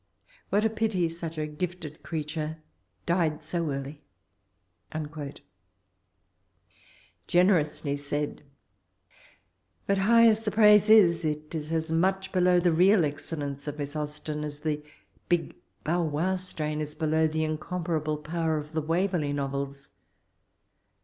What a pity such a gifted creature died so early I"* Generously said; but high as the praise is, it is as much below the real excellence of Miss Austen, as the " big bow wow strain" is below the incomparable power of the Waverley Novels.